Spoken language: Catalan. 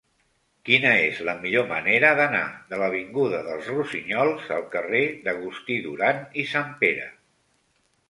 Quina és la millor manera d'anar de l'avinguda dels Rossinyols al carrer d'Agustí Duran i Sanpere?